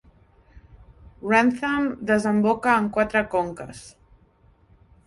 Wrentham desemboca en quatre conques.